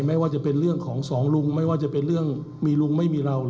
ไม่ว่าจะเป็นเรื่องของสองลุงไม่ว่าจะเป็นเรื่องมีลุงไม่มีเรา